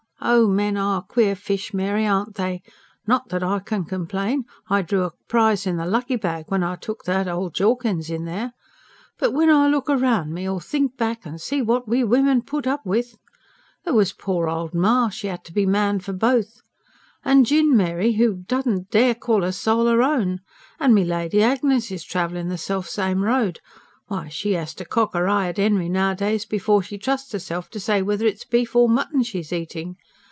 Oh! men are queer fish, Mary, aren't they? Not that I can complain; I drew a prize in the lucky bag when I took that old Jawkins in there. But when I look round me, or think back, and see what we women put up with! There was poor old ma; she 'ad to be man for both. And Jinn, Mary, who didn't dare to call 'er soul 'er own. And milady Agnes is travelling the selfsame road why, she 'as to cock 'er eye at Henry nowadays before she trusts 'erself to say whether it's beef or mutton she's eating!